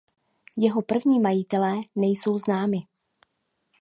Jeho první majitelé nejsou známi.